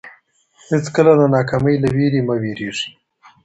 هیڅکله د ناکامۍ له وېرې مه وېرېږئ.